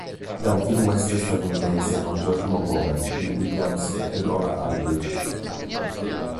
È un film western statunitense con George Montgomery, Bill Williams e Lola Albright.